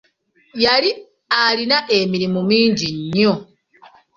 Yali alina emirimo mingi nnyo.